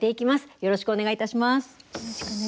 よろしくお願いします。